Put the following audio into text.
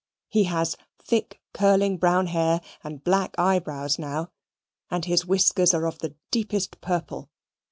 He has thick curling brown hair and black eyebrows now, and his whiskers are of the deepest purple.